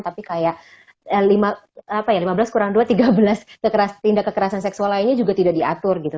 tapi kayak lima belas kurang dua tiga belas tindak kekerasan seksual lainnya juga tidak diatur gitu